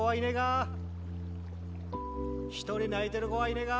一人泣いてる子はいねが。